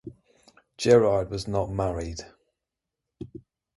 Gerard was not married.